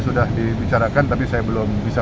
sudah dibicarakan tapi saya belum bisa